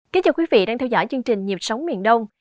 kính chào quý vị đang theo dõi chương trình nhịp sống miền đông